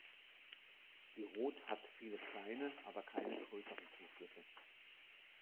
Die Rot hat viele kleine, aber keine größeren Zuflüsse.